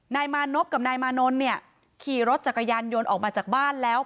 นายมานพกับนายมานนท์เนี่ยขี่รถจักรยานยนต์ออกมาจากบ้านแล้ว